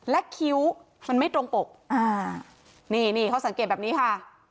และคิ้วมันไม่ตรงอกอ่านี่นี่เขาสังเกตแบบนี้ค่ะ